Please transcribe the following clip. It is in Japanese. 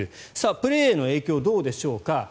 プレーへの影響はどうでしょうか。